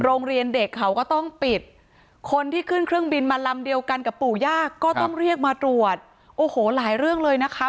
โรงเรียนเด็กเขาก็ต้องปิดคนที่ขึ้นเครื่องบินมาลำเดียวกันกับปู่ย่าก็ต้องเรียกมาตรวจโอ้โหหลายเรื่องเลยนะคะ